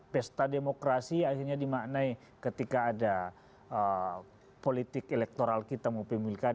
pesta demokrasi akhirnya dimaknai ketika ada politik elektoral kita mau pemilihan